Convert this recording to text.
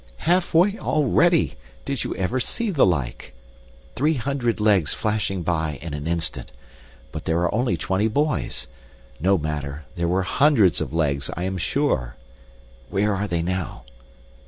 Halfway already! Did ever you see the like? Three hundred legs flashing by in an instant. But there are only twenty boys. No matter, there were hundreds of legs, I am sure! Where are they now?